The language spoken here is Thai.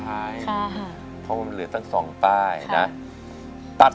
ไม่กลัวเพราะอะไรครับ